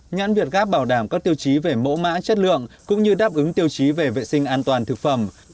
nhãn việt gáp bảo đảm các tiêu chí về mẫu mã chất lượng cũng như đáp ứng tiêu chí về vệ sinh an toàn thực phẩm